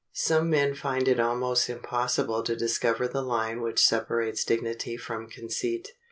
Some men find it almost impossible to discover the line which separates dignity from conceit.